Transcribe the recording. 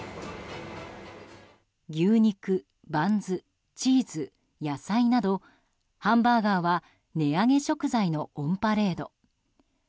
牛肉、バンズ、チーズ野菜などハンバーガーは値上げ食材のオンパレード。